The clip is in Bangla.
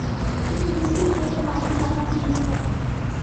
তিনি ল্যুসি জোয়ে মারি জামাঁ-কে বিয়ে করেন।